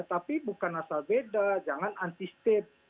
tapi bukan asal beda jangan anti state